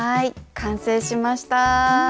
完成しました。